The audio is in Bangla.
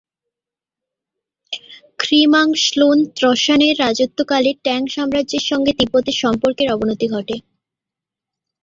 খ্রি-মাং-স্লোন-র্ত্সানের শাসনকালে ট্যাং সাম্রাজ্যের সঙ্গে তিব্বতের সম্পর্কের অবনতি ঘটে।